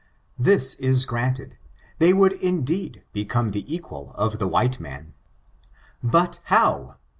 This is granted, they would indeed become the equal of the white man. But how?